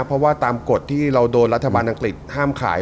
เพราะว่าตามกฎที่เราโดนรัฐบาลอังกฤษห้ามขาย